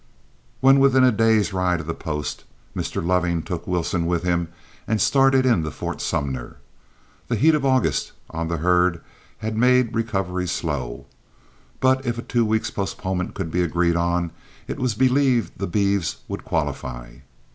When within a day's ride of the post, Mr. Loving took Wilson with him and started in to Fort Sumner. The heat of August on the herd had made recovery slow, but if a two weeks' postponement could be agreed on, it was believed the beeves would qualify.